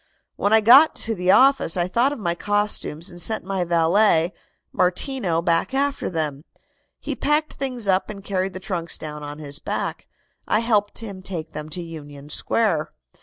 "When I got to the office I thought of my costumes and sent my valet, Martino, back after them. He packed things up and carried the trunks down on his back. I helped him take them to Union Square."